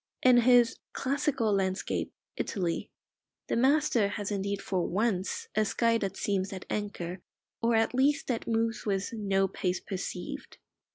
In his "Classical Landscape: Italy," the master has indeed for once a sky that seems at anchor, or at least that moves with "no pace perceived."